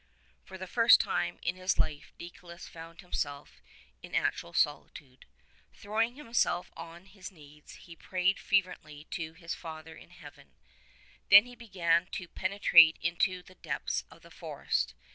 For the first time in his life Deicolus found himself in actual solitude. Throwing himself on his knees he prayed fervently to his Father in Heaven : then he began to pene trate intO' the depths of the forest.